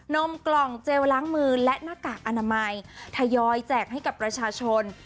มกล่องเจลล้างมือและหน้ากากอนามัยทยอยแจกให้กับประชาชน